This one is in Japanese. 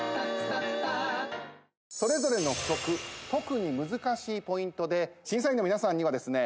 それぞれの曲特に難しいポイントで審査員の皆さんにはですね